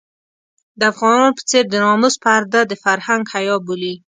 د افغانانو په څېر د ناموس پرده د فرهنګ حيا بولي.